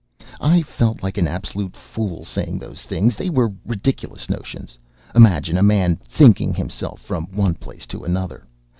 I felt like an absolute fool saying those things; they were ridiculous notions. Imagine a man thinking himself from one place to another!